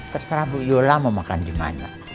terserah bu yola mau makan di mana